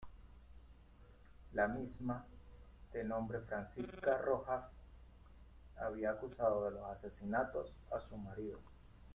La misma, de nombre Francisca Rojas, había acusado de los asesinatos a su marido.